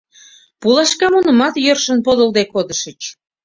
Пулашкамунымат йӧршын подылде кодышыч.